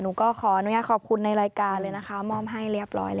หนูก็ขออนุญาตขอบคุณในรายการเลยนะคะมอบให้เรียบร้อยแล้ว